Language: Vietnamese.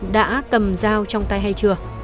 đã cầm dao trong tay hay chưa